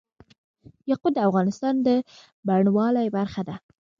یاقوت د افغانستان د بڼوالۍ برخه ده.